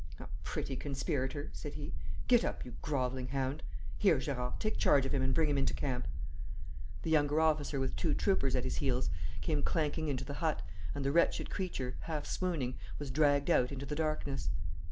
'A pretty conspirator!' said he. 'Get up, you grovelling hound! Here, Gerard, take charge of him and bring him into camp.' A younger officer with two troopers at his heels came clanking in to the hut, and the wretched creature, half swooning, was dragged out into the darkness.